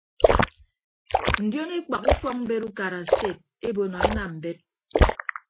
Ndion ekpak ufọkmbet ukara sted ebo nọ enam mbet.